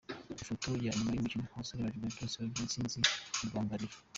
Ifoto ya nyuma y'umukino abasore ba Juventus babyina intsinzi mu rwambariro.